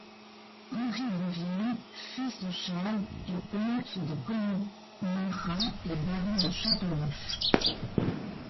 Henri de Vienne, fils de Charles, est comte de Commarin et baron de Châteauneuf.